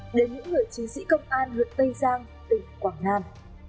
đến những người chiến sĩ công an huyện tây giang tỉnh quảng nam